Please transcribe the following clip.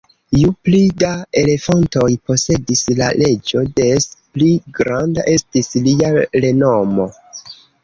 Ju pli da elefantoj posedis la reĝo, des pli granda estis lia renomo.